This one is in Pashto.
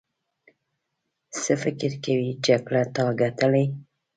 څه فکر کوې جګړه تا ګټلې.